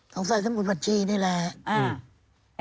สงสัยสมุดบัญชีนี่แหละ